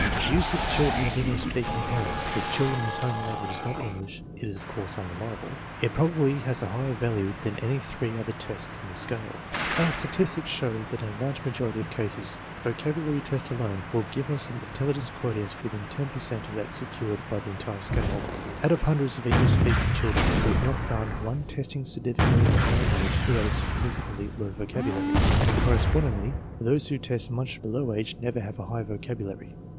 Used with children of English speaking parents (with children whose home language is not English it is of course unreliable), it probably has a higher value than any three other tests in the scale. Our statistics show that in a large majority of cases the vo cabulary test alone will give us an intelligence quotient within 10 per cent of that secured by the entire scale. Out of hundreds of English speaking children we have not found one testing significantly above age who had a signifi cantly low vocabulary; and correspondingly, those who test much below age never have a high vocabulary.